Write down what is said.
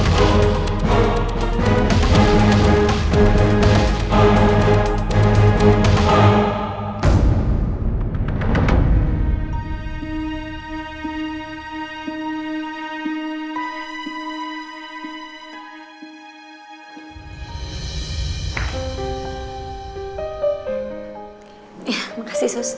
terima kasih sus